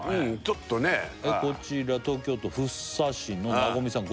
ちょっとねこちら東京都福生市のなごみさん